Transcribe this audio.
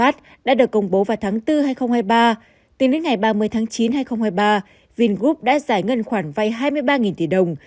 đã được công bố vào tháng bốn hai nghìn hai mươi ba từ đến ngày ba mươi chín hai nghìn hai mươi ba vingroup đã giải ngân khoảng vay hai mươi ba tỷ đồng